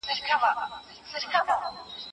لکه په وران کلي کې باغ د ګلو وينه